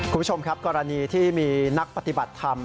คุณผู้ชมครับกรณีที่มีนักปฏิบัติธรรม